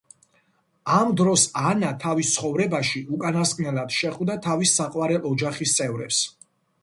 ამ დროს ანა თავის ცხოვრებაში უკანასკნელად შეხვდა თავის საყვარელ ოჯახის წევრებს.